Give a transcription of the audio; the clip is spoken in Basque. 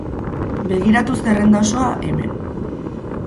Begiratu zerrenda osoa, hemen.